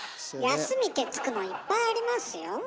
「休み」って付くのいっぱいありますよ。